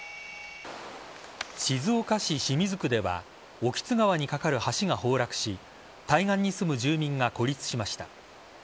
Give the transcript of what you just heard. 静岡市清水区では興津川に架かる橋が崩落し対岸に住む住民が孤立しました。